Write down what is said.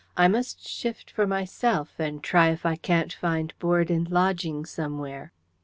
I must shift for myself, and try if I can't find board and lodging somewhere."